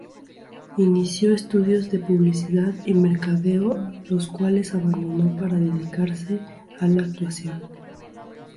Inició estudios de Publicidad y Mercadeo los cuales abandonó para dedicarse a la actuación.